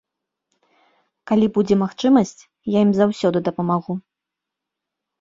Калі будзе магчымасць, я ім заўсёды дапамагу.